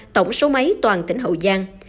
tổng số máy toàn tỉnh hậu giang